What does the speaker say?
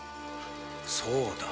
そうだ！